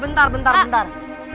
bentar bentar bentar